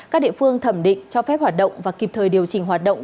các địa phương thẩm định cho phép hoạt động và kịp thời điều chỉnh hoạt động